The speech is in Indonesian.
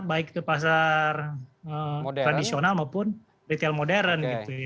baik itu pasar tradisional maupun retail modern